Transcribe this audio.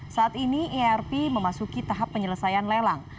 saat ini erp memasuki tahap penyelesaian lelang